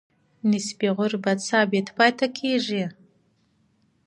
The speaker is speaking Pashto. نسبي غربت ثابت پاتې کیږي.